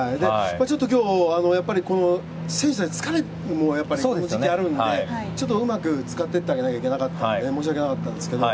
ちょっと今日は、やっぱり選手たち疲れがある時期でもあるのでうまく使っていってあげないといけないので申し訳なかったんですけど。